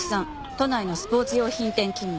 都内のスポーツ用品店勤務。